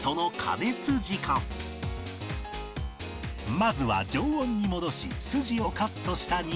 まずは常温に戻し筋をカットした肉を